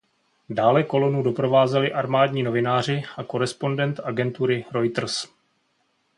Dále kolonu doprovázeli armádní novináři a korespondent agentury Reuters.